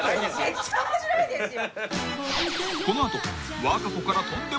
めっちゃ面白いですよ。